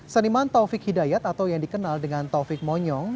seniman taufik hidayat atau yang dikenal dengan taufik monyong